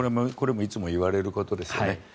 これもいつも言われることですよね。